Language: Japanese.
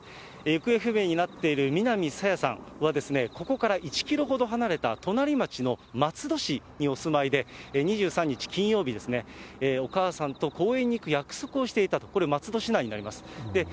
行方不明になっている南朝芽さんは、ここから１キロほど離れた隣町の松戸市にお住まいで、２３日金曜日、お母さんと公園に行く約束をしていたと、これ、松戸市内になります。